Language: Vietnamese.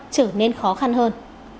trở nên khó khăn hơn